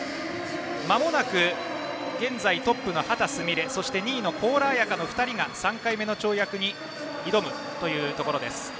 まもなく現在トップの秦澄美鈴そして２位の高良彩花の２人が３回目の跳躍に挑むところです。